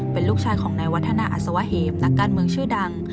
เป็นลูกชายของนายวัฒนาอัศวะเหมนักการเมืองชื่อดัง